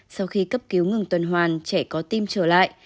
sau khi cấp cứu ngừng tuần hoàn trẻ có tim trở lại